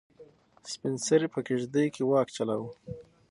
سپین سرې په کيږدۍ کې واک چلاوه.